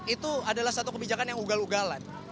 itu adalah satu kebijakan yang ugal ugalan